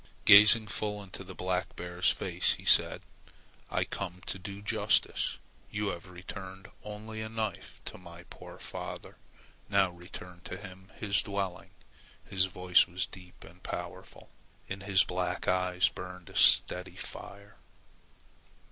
Gazing full into the black bear's face, he said: "I come to do justice. You have returned only a knife to my poor father. Now return to him his dwelling." His voice was deep and powerful. In his black eyes burned a steady fire.